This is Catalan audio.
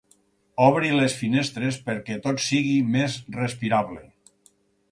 Obri les finestres perquè tot sigui més respirable.